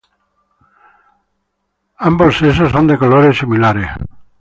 Ambos sexos son de colores similares.